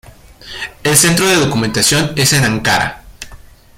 El Centro de Documentación es en Ankara.